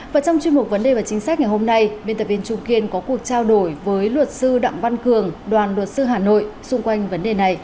và trong chuyên mục vấn đề và chính sách ngày hôm nay biên tập viên trung kiên có cuộc trao đổi với luật sư đặng văn cường đoàn luật sư hà nội xung quanh vấn đề này